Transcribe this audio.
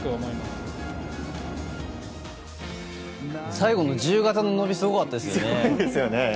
最後の自由形の伸びすごかったですよね。